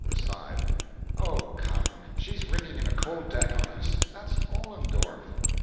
(Aside.) Oh, come, she's ringing in a cold deck on us: that's Ollendorff.